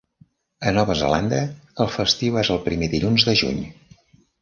A Nova Zelanda, el festiu és el primer dilluns de juny.